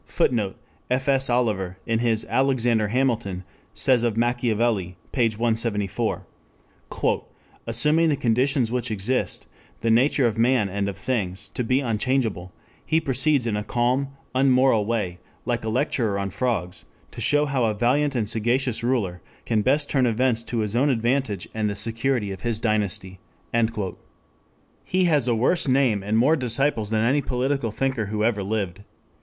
[Footnote: F. S. Oliver in his Alexander Hamilton, says of Machiavelli (p. 174): "Assuming the conditions which exist the nature of man and of things to be unchangeable, he proceeds in a calm, unmoral way, like a lecturer on frogs, to show how a valiant and sagacious ruler can best turn events to his own advantage and the security of his dynasty."] He has a worse name and more disciples than any political thinker who ever lived.